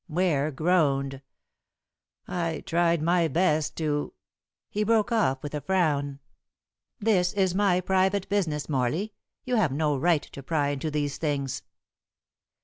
Ware groaned. "I tried my best to " He broke off with a frown. "This is my private business, Morley. You have no right to pry into these things."